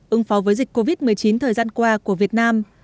ứng phó với dịch covid một mươi chín thời gian qua của việt nam